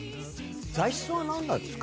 材質は何なんですか？